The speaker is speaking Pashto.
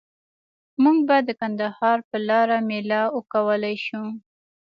موږ به د کندهار په لاره میله وکولای شو؟